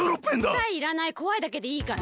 くさいいらないこわいだけでいいから。